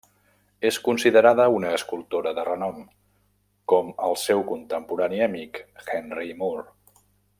És considerada una escultora de renom, com el seu contemporani i amic, Henry Moore.